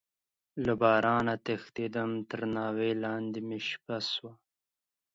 له بارانه تښتيدم، تر ناوې لاندې مې شپه شوه.